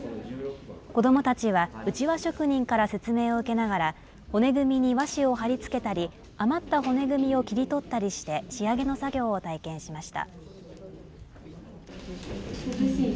子どもたちはうちわ職人から説明を受けながら、骨組みに和紙を貼りつけたり、余った骨組みを切り取ったりして、仕上げの作業を体験しました。